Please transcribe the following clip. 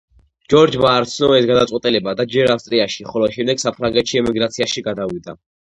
ჯორჯმა არ ცნო ეს გადაწყვეტილება და ჯერ ავსტრიაში, ხოლო შემდეგ საფრანგეთში ემიგრაციაში გადავიდა.